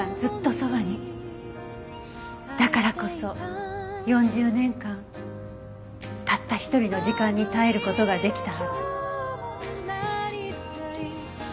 だからこそ４０年間たった一人の時間に耐える事が出来たはず。